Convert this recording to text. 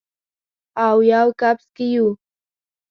اویو کپس کې یو